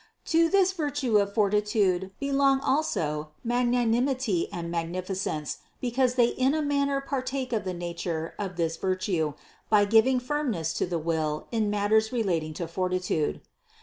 577. To this virtue of fortitude belong also mag nanimity and magnificence because they in a manner par take of the nature of this virtue by giving firmness to the will in matters relating to fortitude.